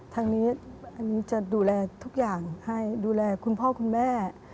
ทางนี้อันนี้จะดูแลทุกอย่างให้ดูแลคุณพ่อคุณแม่